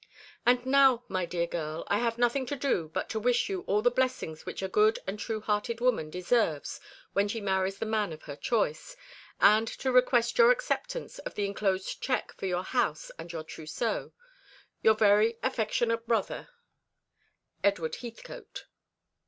"And now, my dear girl, I have nothing to do but to wish you all the blessings which a good and true hearted woman deserves when she marries the man of her choice, and to request your acceptance of the enclosed cheque for your house and your trousseau. Your very affectionate brother, "EDWARD HEATHCOTE."